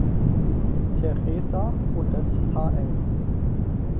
Teresa und des hl.